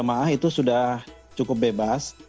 jamaah itu sudah cukup bebas